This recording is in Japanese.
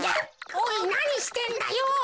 おいなにしてんだよ。